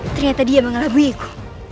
ternyata dia mengelabuiiku